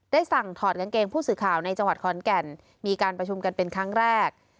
สั่งถอดกางเกงผู้สื่อข่าวในจังหวัดขอนแก่นมีการประชุมกันเป็นครั้งแรก